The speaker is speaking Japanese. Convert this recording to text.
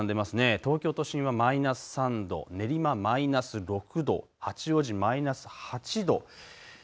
東京都心はマイナス３度、練馬マイナス６度、八王子マイナス８度。